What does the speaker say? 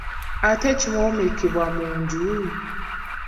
Ate ekiwomekebwa mu nju?